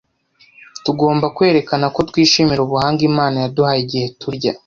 Tugomba kwerekana ko twishimira ubuhanga Imana yaduhaye igihe turya,